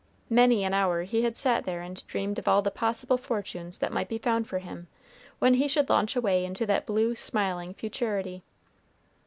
Many an hour he had sat there and dreamed of all the possible fortunes that might be found for him when he should launch away into that blue smiling futurity.